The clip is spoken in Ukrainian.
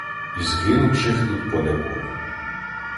І згинувших тут по неволі